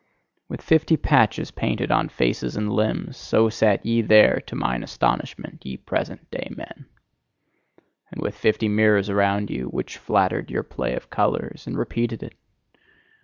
With fifty patches painted on faces and limbs so sat ye there to mine astonishment, ye present day men! And with fifty mirrors around you, which flattered your play of colours, and repeated it!